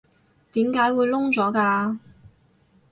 點解會燶咗㗎？